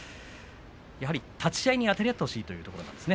やはり立ち合いにあたり合ってほしいというところなんですね。